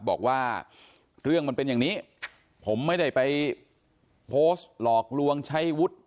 บอกว่าเรื่องมันเป็นอย่างนี้ผมไม่ได้ไปโพสต์หลอกลวงใช้วุฒิ